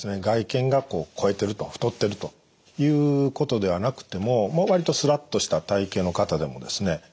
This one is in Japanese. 外見が肥えてると太っているということではなくても割とスラッとした体型の方でもですね